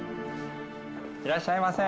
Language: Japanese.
いらっしゃいませ。